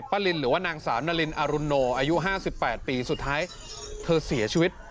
ลินหรือว่านางสาวนารินอรุณโนอายุ๕๘ปีสุดท้ายเธอเสียชีวิต